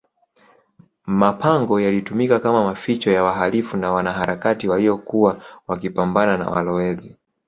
mapango yalitumika kama maficho ya wahalifu na wanaharakati waliyokuwa wakipambana na walowezi